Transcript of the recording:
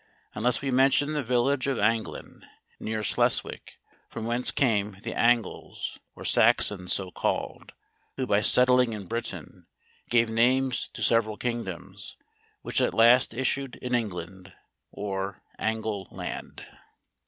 Unless we mention the village of Anglen, near Sleswick; from whence came the Angles, or Saxons so called, who by settling in Britain, gave names to several kingdoms, which at last issued in England, or Angle land.